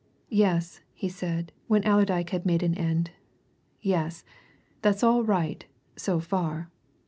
"Yes," he said, when Allerdyke had made an end, "yes, that's all right, so far.